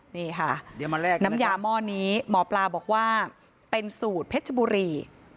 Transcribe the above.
นี่ค่ะน้ำยาหม้อนี้หมอปลาบอกว่าเป็นสูตรเพชรบุรี